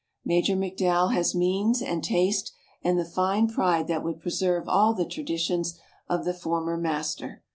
Major McDowell has means and taste and the fine pride that would preserve all the traditions of the former master.